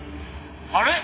あれ？